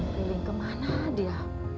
piling kemana dia